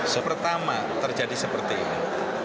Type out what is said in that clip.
sepertama terjadi seperti ini